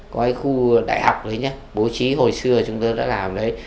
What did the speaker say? có cái khu đại học đấy nhé bố trí hồi xưa chúng tôi đã làm đấy